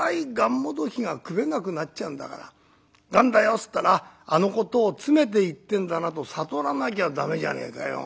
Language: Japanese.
っつったら『あっあのことを詰めて言ってんだな』と悟らなきゃ駄目じゃねえかよ。